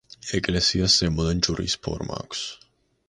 ეკლესიას ზემოდან ჯვრის ფორმა აქვს.